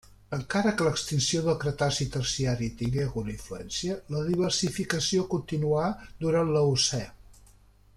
Encara que l'extinció del Cretaci-Terciari tingué alguna influència, la diversificació continuà durant l'Eocè.